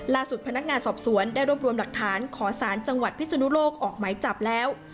พนักงานสอบสวนได้รวบรวมหลักฐานขอสารจังหวัดพิศนุโลกออกไหมจับแล้ว